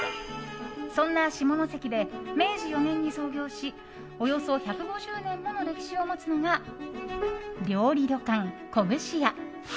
そんな下関で、明治４年に創業しおよそ１５０年もの歴史を持つのが料理旅館、古串屋。